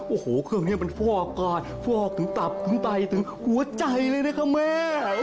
โอ้โหเครื่องนี้มันฟอกก่อนฟอกถึงตับถึงไตถึงหัวใจเลยนะคะแม่